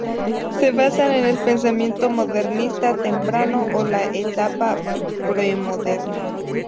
Se basan en el pensamiento modernista temprano o la etapa premoderna.